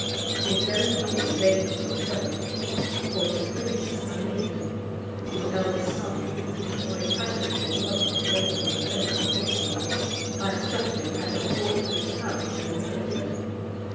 He is very nearly related to yourself, for it is prince Amin, your eldest son, who falling passionately in love with this lady from the fame of her beauty, by stratagem had her brought to his house, where he married her.